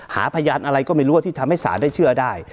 หาพยานอะไรก็ไม่รู้ว่าที่ทำให้ศาลได้เชื่อได้